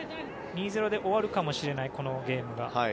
２−０で終わるかもしれないこのゲームが。